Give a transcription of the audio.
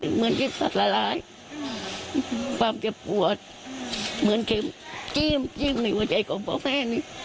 เหมือนกินสัตว์หลายความเจ็บปวดเหมือนเก็บจิ้มจิ้มอยู่ใจของพ่อแม่นี้